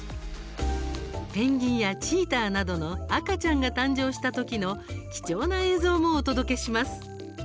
ペンギンやチーターなどの赤ちゃんが誕生したときの貴重な映像もお届けします。